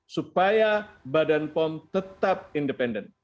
supaya badan pom tetap independen